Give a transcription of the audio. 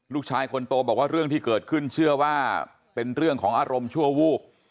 ลูกชายคนโตบอกว่าเรื่องที่เกิดขึ้นเชื่อว่าเป็นเรื่องของอารมณ์ชั่ววูบ